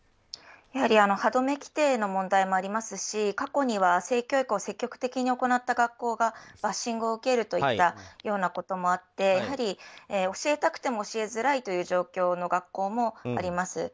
やはりはどめ規定の問題もありますし過去には性教育を積極的に行った学校がバッシングを受けるといったようなこともあってやはり、教えたくても教えづらいという状況の学校もあります。